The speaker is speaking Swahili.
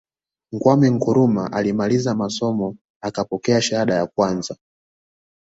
Kwame Nkrumah alimaliza masomo akapokea shahada yake ya kwanza